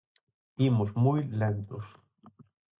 Imos moi lentos.